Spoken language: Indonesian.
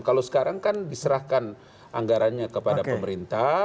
kalau sekarang kan diserahkan anggarannya kepada pemerintah